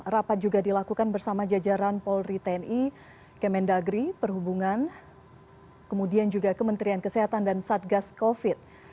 rapat juga dilakukan bersama jajaran polri tni kemendagri perhubungan kemudian juga kementerian kesehatan dan satgas covid